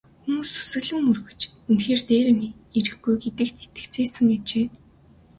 Хүмүүс ч сүсэглэн мөргөж үнэхээр дээрэм ирэхгүй гэдэгт итгэцгээсэн ажээ.